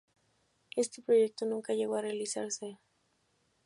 Este proyecto nunca llegó a realizarse.